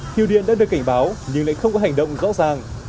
nhiều điện đã được cảnh báo nhưng lại không có hành động rõ ràng